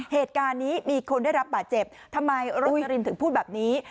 เหตุการณ์นี้มีคนได้รับบาดเจ็บทำไมโรชรินถึงพูดแบบนี้